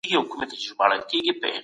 هر بېچاره او مظلوم د پناه اخيستلو حق لري.